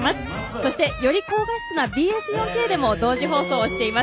そして、より高画質なＢＳ４Ｋでも同時放送しています。